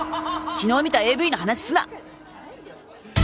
「昨日見たＡＶの話すな」